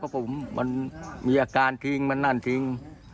รักไม่ไหวมันมีอาการทิ้งมันนั่นทิ้ง